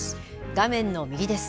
画面の右です。